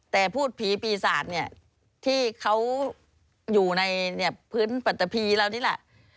แต่พูดผีปีศาจเนี่ยที่เขาอยู่ในพื้นปัตตะพีเรานี่แหละ